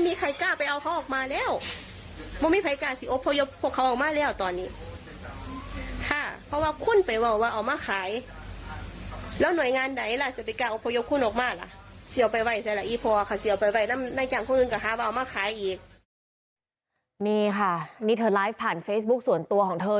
นี่ค่ะนี่เธอไลฟ์ผ่านเฟซบุ๊คส่วนตัวของเธอ